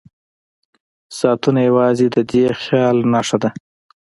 ساعتونه یوازې د دې خیال نښه ده.